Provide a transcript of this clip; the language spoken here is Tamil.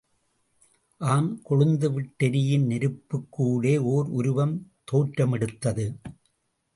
ஆம், கொழுந்துவிட்டெரியும் நெருப்புக்கு ஊடே, ஓர் உருவம் தோற்ற மெடுத்தது.